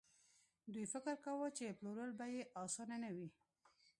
دوی فکر کاوه چې پلورل به يې اسانه نه وي.